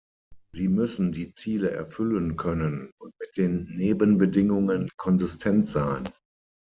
Sie müssen die Ziele erfüllen können und mit den Nebenbedingungen konsistent sein.